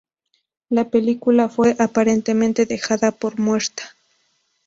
La película fue "aparentemente dejada por muerta".